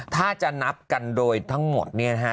ถ้าจะนับกันโดยทั้งหมดเนี่ยนะฮะ